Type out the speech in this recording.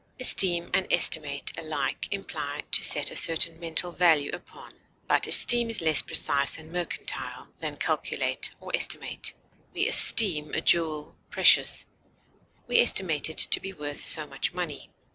Esteem and estimate alike imply to set a certain mental value upon, but esteem is less precise and mercantile than calculate or estimate. We esteem a jewel precious; we estimate it to be worth so much money.